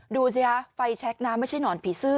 ดูสิฮะไฟแช็คนะไม่ใช่หนอนผีเสื้อ